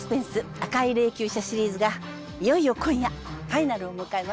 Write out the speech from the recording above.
『赤い霊柩車』シリーズがいよいよ今夜ファイナルを迎えます。